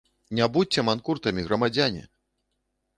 Не будзьце манкуртамі, грамадзяне!